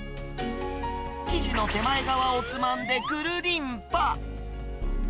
生地の手前側をつまんでくるりんぱ。